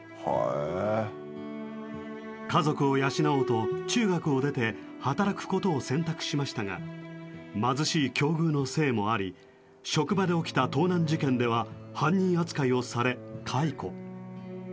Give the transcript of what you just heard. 家族を養おうと中学を出て働くことを選択しましたが貧しい境遇のせいもあり職場で起きた盗難事件では犯人扱いをされ解雇。